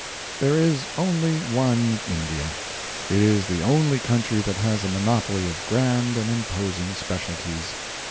There is only one India! It is the only country that has a monopoly of grand and imposing specialties.